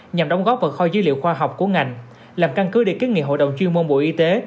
nhằm đóng góp vào kho dữ liệu khoa học của ngành làm căn cứ để kiến nghị hội đồng chuyên môn bộ y tế